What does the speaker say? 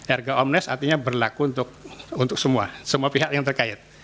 harga omnes artinya berlaku untuk semua pihak yang terkait